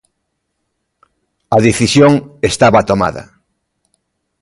A decisión estaba tomada.